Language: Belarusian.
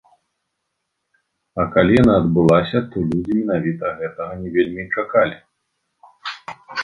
А калі яна адбылася, то людзі менавіта гэтага не вельмі і чакалі.